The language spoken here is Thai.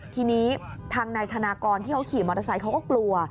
ทีนี้ทางนายธนากรที่เขาขี่มอเตอร์ไซค์เขาก็กลัว